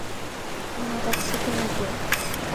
Мо адак ситен огыл?